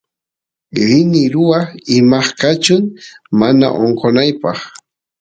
rini ruwaq imaqkachun mana onqonaypaq